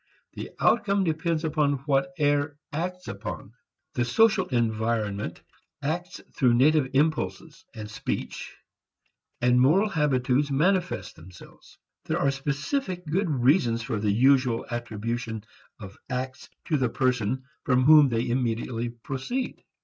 The outcome depends upon what air acts upon. The social environment acts through native impulses and speech and moral habitudes manifest themselves. There are specific good reasons for the usual attribution of acts to the person from whom they immediately proceed.